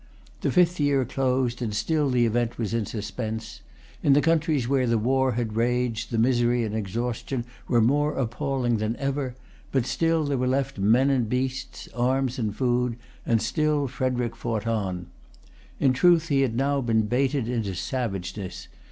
The fifth year closed, and still the event was in suspense. In the countries where the war had raged, the misery and exhaustion were more appalling than ever; but still there were left men and beasts, arms and food, and still Frederic fought on. In truth, he had now been baited into savageness.